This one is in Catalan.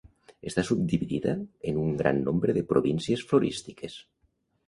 Està subdividida en un gran nombre de províncies florístiques.